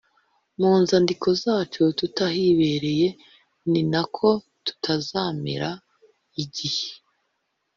Mu nzandiko zacu tutahibereye ni na ko tuzamera igihe